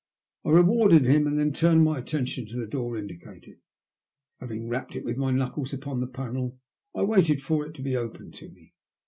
I rewarded him, and then turned my attention to the door indicated. Having wrapped with my knuckles upon the panel, I waited for it to be opened to me.